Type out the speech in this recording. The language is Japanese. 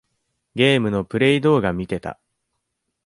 ゲームのプレイ動画みてた。